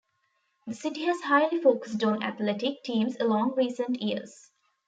The city has highly focused on athletic teams along recent years.